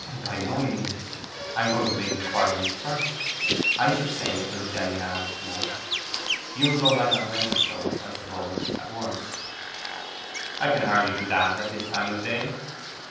'By no means. I am going to make inquiries first. I shall stay at the Luxellian Arms to night. You will go right on to Endelstow, I suppose, at once?' 'I can hardly do that at this time of the day.